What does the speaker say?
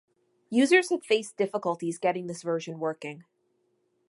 Users have faced difficulties getting this version working.